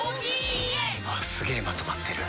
すげえまとまってる。